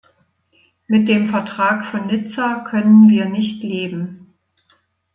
Mit dem Vertrag von Nizza können wir nicht leben.